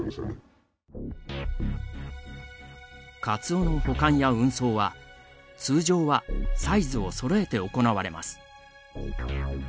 カツオの保管や運送は、通常はサイズをそろえて行われます。